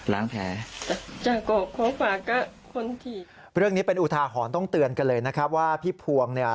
เรื่องนี้เป็นอุทาหรณ์ต้องเตือนกันเลยนะครับว่าพี่ภวง